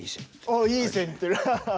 あいい線いってるハハ。